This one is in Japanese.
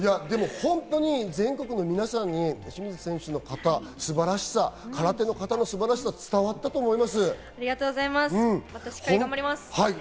本当に全国の皆さんに清水選手の形、素晴らしさ、空手の形の素晴らしさが伝わったありがとうございます。